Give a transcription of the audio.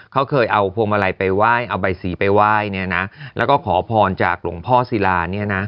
เค้าเคยเอาพวงมาลัยไปไหว้เอาใบสีไปไหว้แล้วก็ขอพรจากหลวงพ่อศิลา